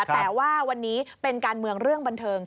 แต่ว่าวันนี้เป็นการเมืองเรื่องบันเทิง